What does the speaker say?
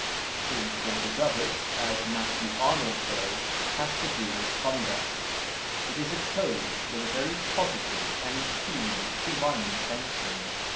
Three quarters of it (as Matthew Arnold says) has to do with conduct; it is a code with a very positive and keen divine sanction.